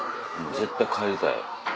絶対帰りたい。